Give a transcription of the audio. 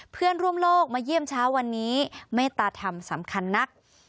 เพื่อนร่วมโลกมาเยี่ยมเช้าวันนี้เมตตาธรรมสำคัญนัก